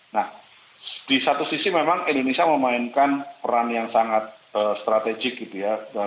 nah di satu sisi memang indonesia memainkan peran yang sangat strategik gitu ya